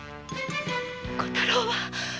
小太郎は？